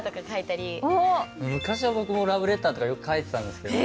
昔は僕もラブレターとかよく書いてたんですけどね。